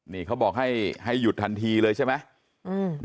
นี่เขาบอกให้หยุดทันทีเลยใช่ไหม